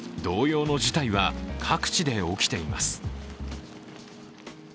同様の事態は、各地で起きています。